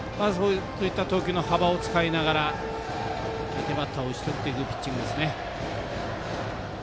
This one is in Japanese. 投球の幅を使いながら相手バッターを打ち取っていくピッチングですね。